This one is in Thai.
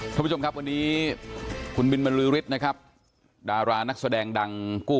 ท่านผู้ชมครับกลัวหนีคุณบินบริริสต์นะครับดารานักแสดงดังกู่